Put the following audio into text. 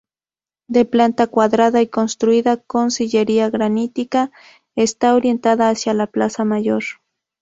De planta cuadrada y construida con sillería granítica, está orientada hacia la plaza Mayor.